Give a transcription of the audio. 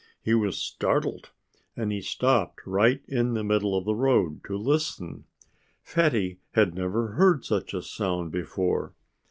He was startled. And he stopped right in the middle of the road to listen. Fatty had never heard such a sound before.